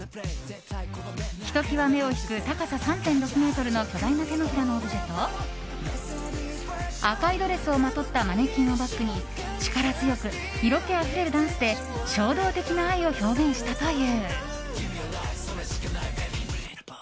ひときわ目を引く高さ３．６ｍの巨大な手のひらのオブジェと赤いドレスをまとったマネキンをバックに力強く色気あふれるダンスで衝動的な愛を表現したという。